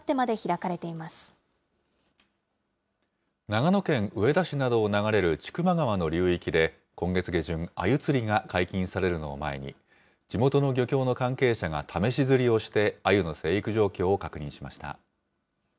長野県上田市などを流れる千曲川の流域で、今月下旬、あゆ釣りが解禁されるのを前に、地元の漁協の関係者が試し釣りをして、あゆの成育状況を確認しました。